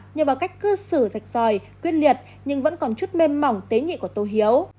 nhờ vào cách cư xử rạch ròi quyết liệt nhưng vẫn còn chút mêên mỏng tế nghị của tô hiếu